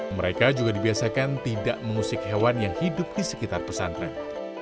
mereka juga dibiasakan tidak mengusik hewan yang hidup di sekitar pesantren